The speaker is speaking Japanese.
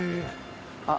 あっ。